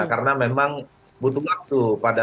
karena memang butuh waktu pada